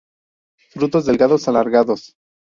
Frutos delgados, alargados.